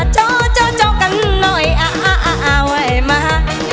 โจ๊ะโจ๊ะโจ๊ะกันหน่อยอ่ะอ่ะอ่ะอ่ะไหวมา